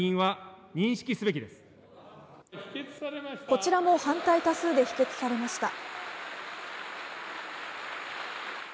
こちらも反対多数で否決されました。